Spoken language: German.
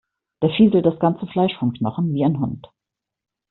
Der fieselt das ganze Fleisch vom Knochen, wie ein Hund.